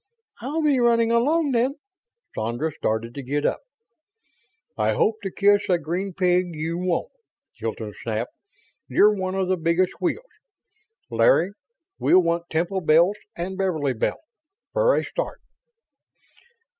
"I'll be running along, then." Sandra started to get up. "I hope to kiss a green pig you won't!" Hilton snapped. "You're one of the biggest wheels. Larry, we'll want Temple Bells and Beverly Bell for a start."